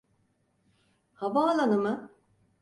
Havaalanı mı?